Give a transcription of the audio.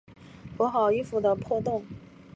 补好衣服的破洞